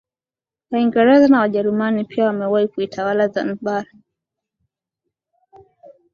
Waingereza na wajerumani pia wamewahi kuitawala Zanzibar